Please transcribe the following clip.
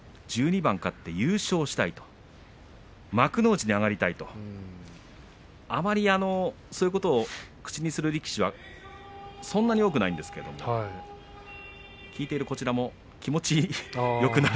１２番勝って優勝したい幕内に上がりたいとあまりそういうことを口にする力士はそんなに多くないんですけれども聞いているこちらも気持ちがよく